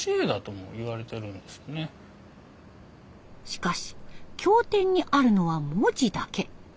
しかし経典にあるのは文字だけ。